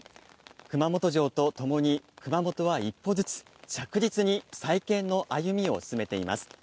熊本城とともに熊本は一歩ずつ着実に再建の歩みを進めています。